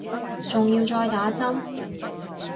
仲要再打針